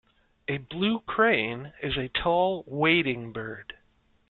A blue crane is a tall wading bird.